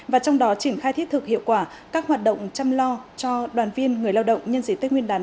và trong đó triển khai thiết thực hiệu quả các hoạt động chăm lo cho đoàn viên người lao động nhân sĩ tết nguyên đán